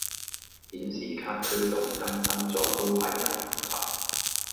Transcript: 顯示卡驅動更新左都係有問題